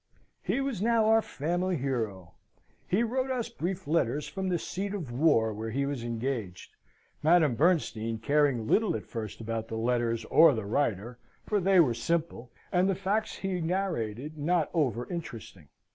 He was now our family hero. He wrote us brief letters from the seat of war where he was engaged; Madame Bernstein caring little at first about the letters or the writer, for they were simple, and the facts he narrated not over interesting.